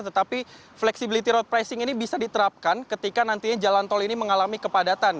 tetapi flexibility road pricing ini bisa diterapkan ketika nantinya jalan tol ini mengalami kepadatan